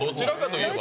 いえば。